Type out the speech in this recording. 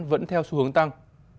vẫn theo xu hướng tăng